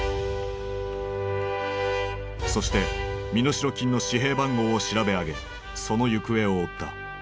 そして身代金の紙幣番号を調べ上げその行方を追った。